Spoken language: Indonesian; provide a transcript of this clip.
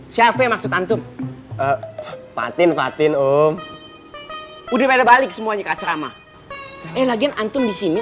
siapa maksud antum fatin fatin om udah beda balik semuanya ke asrama eh lagian antum disini